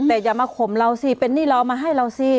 แต่อย่ามาข่มเราสิเป็นหนี้เราเอามาให้เราสิ